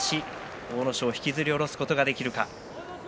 阿武咲、引きずり下ろすことができるか。